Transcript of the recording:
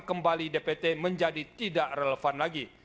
kembali dpt menjadi tidak relevan lagi